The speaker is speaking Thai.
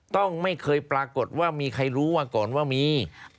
ต้องไม่เคยปรากฏว่ามีใครรู้มาก่อนว่ามี